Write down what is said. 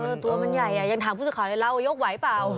เออตัวมันใหญ่อ่ะยังถามผู้สิทธิ์ข่าวในราวว่ายกไหว้เปล่า